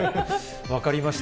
分かりました。